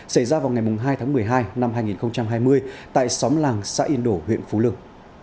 xảy ra vào ngày hai tháng một mươi hai năm hai nghìn hai mươi tại xóm làng xã yên đổ huyện phú lương